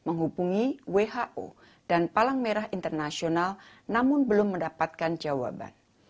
menghubungi who dan palang merah internasional namun belum mendapatkan jawaban